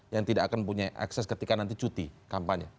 yang tidak akan punya akses ketika nanti cuti kampanye